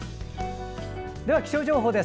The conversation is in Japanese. では、気象情報です。